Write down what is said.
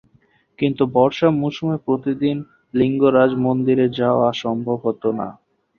কিন্তু বর্ষা মৌসুমে প্রতিদিন লিঙ্গরাজ মন্দিরে যাওয়া সম্ভব হতো না।